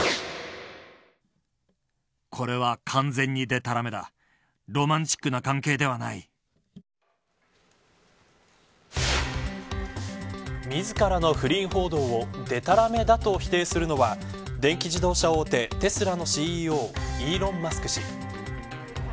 テスラのＣＥＯイーロン・マスク氏が自らの不倫報道をでたらめだと否定するのは電気自動車大手テスラのＣＥＯイーロン・マスク氏。